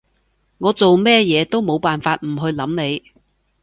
我做咩嘢都冇辦法唔去諗你